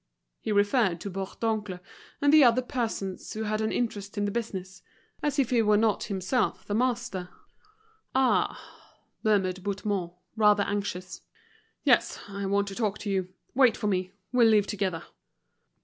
He referred to Bourdoncle and the other persons who had an interest in the business, as if he were not himself the master. "Ah!" murmured Bouthemont, rather anxious. "Yes, I want to talk to you. Wait for me, we'll leave together."